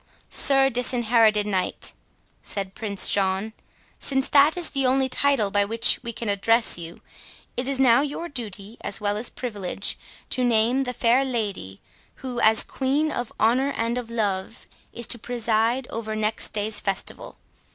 "Sir Disinherited Knight," said Prince John, "since that is the only title by which we can address you, it is now your duty, as well as privilege, to name the fair lady, who, as Queen of Honour and of Love, is to preside over next day's festival.